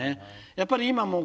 やっぱり今もう。